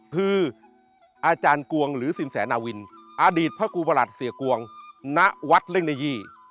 คืออาจารย์กวงหรือสินแสนาวินอดีตพระครูประหลัดเสียกวงณวัดเร่งนายี่